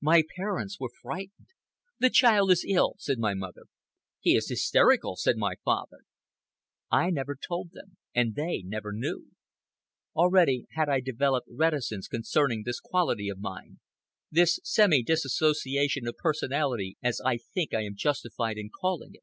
My parents were frightened. "The child is ill," said my mother. "He is hysterical," said my father. I never told them, and they never knew. Already had I developed reticence concerning this quality of mine, this semi disassociation of personality as I think I am justified in calling it.